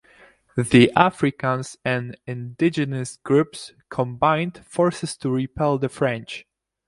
The Africans and indigenous groups combined forces to repel the French.